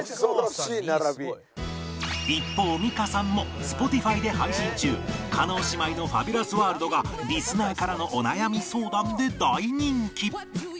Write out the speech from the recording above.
一方美香さんも Ｓｐｏｔｉｆｙ で配信中「叶姉妹のファビュラスワールド」がリスナーからのお悩み相談で大人気